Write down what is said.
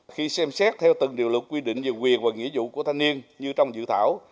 khi xem xét theo từng điều luật quy định về quyền và nghĩa vụ của thanh niên như trong dự thảo